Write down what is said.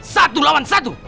satu lawan satu